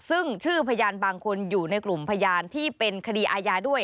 ซึ่งชื่อพยานบางคนอยู่ในกลุ่มพยานที่เป็นคดีอาญาด้วย